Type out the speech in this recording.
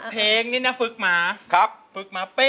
เพลงนี้เราฝึกมา